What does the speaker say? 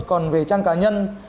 còn về trang cá nhân